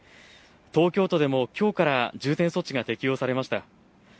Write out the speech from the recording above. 東京都でもきょうから重点措置が適用されました。